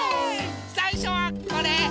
さいしょはこれ。